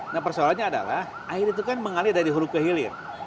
nah persoalannya adalah air itu kan mengalir dari hulu ke hilir